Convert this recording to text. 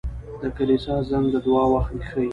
• د کلیسا زنګ د دعا وخت ښيي.